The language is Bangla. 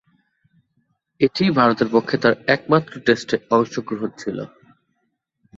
এটিই ভারতের পক্ষে তার একমাত্র টেস্টে অংশগ্রহণ ছিল।